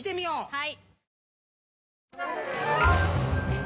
はい！